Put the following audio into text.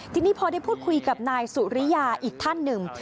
ทีนี้พอได้พูดคุยกับนายสุริยาอีกท่านหนึ่ง